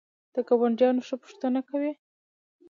د ګاونډیانو څخه پوښتنه کوئ؟